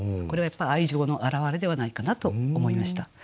これはやっぱ愛情の表れではないかなと思いました。